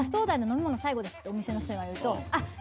飲み物最後ですってお店の人に言われると。